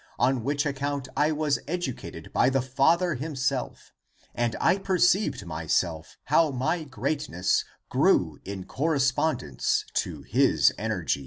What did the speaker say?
On which account I was educated by the father himself, And I perceived myself how my greatness Grew in correspondence to his energy.'